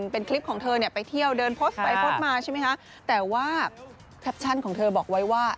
เป็นคลิปของเธอเนี่ยไปเที่ยวเดินโพสต์ไปโพสต์มาใช่ไหมคะแต่ว่าแคปชั่นของเธอบอกไว้ว่า